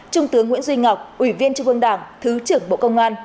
trung tướng nguyễn duy ngọc ủy viên trung ương đảng thứ trưởng bộ công an